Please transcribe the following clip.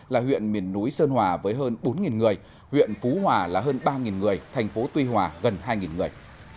là huyện miền núi sơn hòa với hơn bốn người huyện phú hòa là hơn ba người thành phố tuy hòa gần hai người